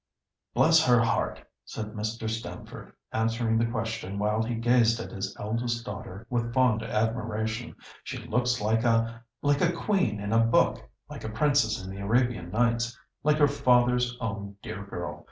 "Bless her heart!" said Mr. Stamford, answering the question while he gazed at his eldest daughter with fond admiration, "she looks like a—like a queen in a book, like a princess in the Arabian Nights; like her father's own dear girl.